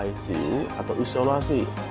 icu atau isolasi